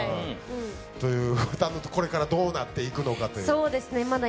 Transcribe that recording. だんだんとこれからどうなっていくのかというまだ